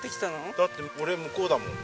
だって俺向こうだもん。